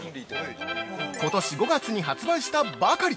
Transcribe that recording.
◆今年５月に発売したばかり！